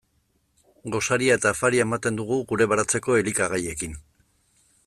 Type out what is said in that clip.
Gosaria eta afaria ematen dugu gure baratzeko elikagaiekin.